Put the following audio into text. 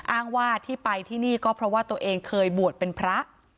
อ้างว่าที่ไปที่นี่ก็เพราะว่าตัวเองเคยบวชเป็นพระ